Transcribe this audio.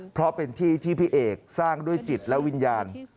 เพราะเป็นที่ที่พี่เอกสร้างด้วยจิตและวิญญาณ